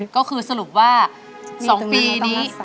ก็คือสรุปว่า๒ปีนี้